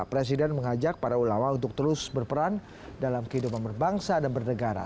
presiden mengajak para ulama untuk terus berperan dalam kehidupan berbangsa dan bernegara